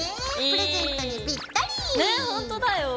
プレゼントにぴったり。ね！